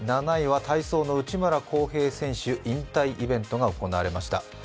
７位は体操の内村航平選手引退イベントが行われました。